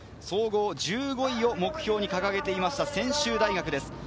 総合１５位を目標に掲げていた専修大学です。